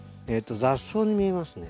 雑草に見えますね。